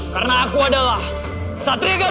karena aku adalah satria garuda